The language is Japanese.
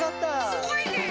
すごいね！